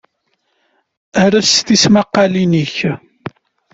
Els tismaqalin-nnek